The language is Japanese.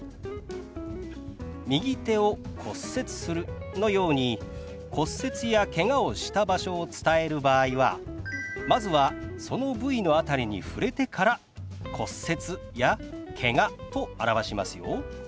「右手を骨折する」のように骨折やけがをした場所を伝える場合はまずはその部位の辺りに触れてから「骨折」や「けが」と表しますよ。